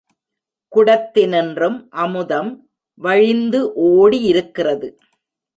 குடத்தினின்றும் அமுதம் வழிந்து ஓடியிருக்கிறது.